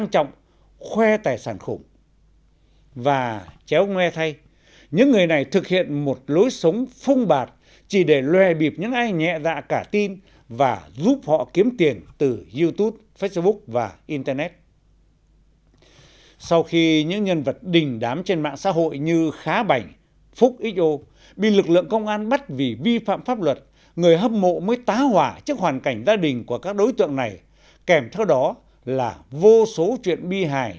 trong đó công thức phổ biến nhất vẫn là trưng diện một lối sống xa hoa giàu sang tiêu xài phung phí